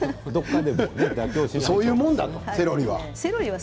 そういうもんなんですねセロリは。